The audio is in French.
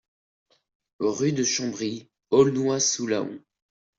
Rue de Chambry, Aulnois-sous-Laon